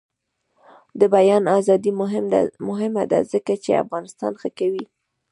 د بیان ازادي مهمه ده ځکه چې افغانستان ښه کوي.